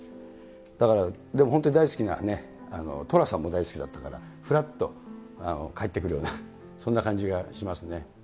だから本当にでも大好きなね、寅さんも大好きだったから、ふらっと帰ってくるような、そんな感じがしますね。